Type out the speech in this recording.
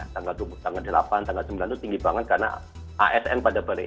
tanggal delapan tanggal sembilan itu tinggi banget karena asn pada balik